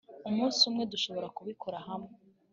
umunsi umwe, dushobora kubikora hamwe